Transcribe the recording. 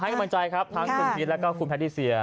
ให้กำลังใจครับทั้งคุณพลีตและคุณปฤษฐีเซีย